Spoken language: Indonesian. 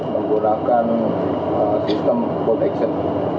menggunakan sistem protection